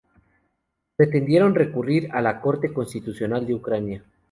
Pretendieron recurrir a la Corte Constitucional de Ucrania.